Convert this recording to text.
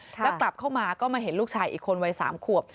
แล้วกลับเข้ามาก็มาเห็นลูกชายอีกคนวัย๓ขวบ